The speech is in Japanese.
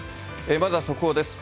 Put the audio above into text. まずは速報です。